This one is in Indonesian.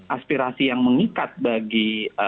aspirasi yang mengikat bagi